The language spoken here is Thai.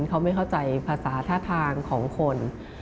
เขาไม่เข้าใจภาษาท่าทางของคน